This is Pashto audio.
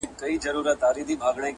د يوې ولسوالۍ ولسوال وي